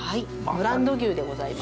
ブランド牛でございます。